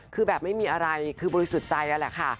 คือแบบไม่มีอะไรคือบริสุทธิ์ใจนั่นแหละค่ะ